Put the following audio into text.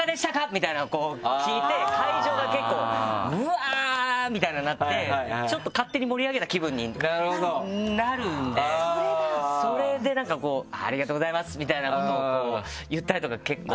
みたいなこう聞いて会場が結構うわぁ！みたいになってちょっと勝手に盛り上げた気分になるんでそれで「ありがとうございます」みたいなことを言ったりとか結構。